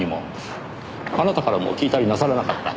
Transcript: あなたからも聞いたりなさらなかった？